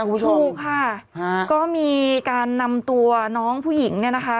ถูกค่ะก็มีการนำตัวน้องผู้หญิงเนี่ยนะคะ